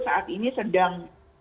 saat ini sedang